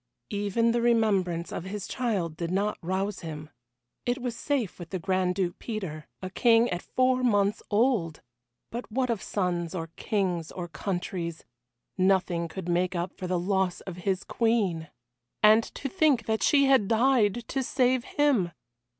Even the remembrance of his child did not rouse him. It was safe with the Grand Duke Peter a king at four months old! But what of sons, or kings or countries nothing could make up for the loss of his Queen! And to think that she had died to save him!